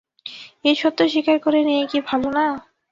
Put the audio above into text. এ সত্য স্বীকার করে নেয়াই কি ভালো না।